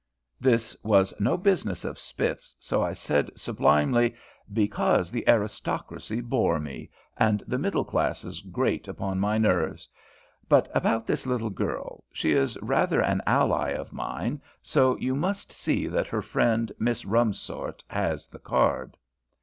This was no business of Spiff's, so I said sublimely, "Because the aristocracy bore me, and the middle classes grate upon my nerves. But about this little girl: she is rather an ally of mine, so you must see that her friend, Miss Rumsort, has the card."